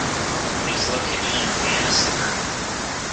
It is located in a Vienna suburb.